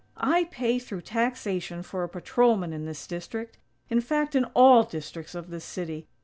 I pay through taxation for a patrolman in this district; in fact in all districts of this city.